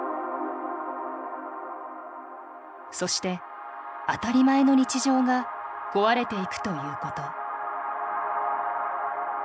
そして当たり前の日常が壊れていくということ。